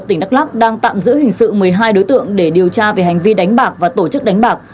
tổ chức đánh bạc đang tạm giữ hình sự một mươi hai đối tượng để điều tra về hành vi đánh bạc và tổ chức đánh bạc